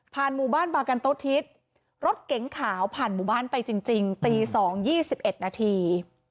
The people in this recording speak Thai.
หมู่บ้านบากันโต๊ทิศรถเก๋งขาวผ่านหมู่บ้านไปจริงตี๒๒๑นาที